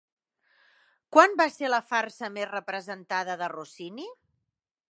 Quan va ser la farsa més representada de Rossini?